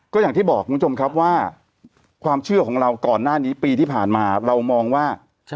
ก็อย่างที่บอกคุณผู้ชมครับว่าความเชื่อของเราก่อนหน้านี้ปีที่ผ่านมาเรามองว่า